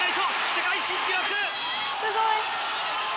世界新記録！